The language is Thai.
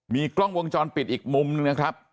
มีกล้องวงจรปิดอีกมุมหนึ่งนะครับ